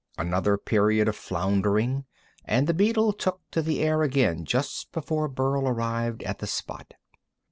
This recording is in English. Another period of floundering, and the beetle took to the air again just before Burl arrived at the spot.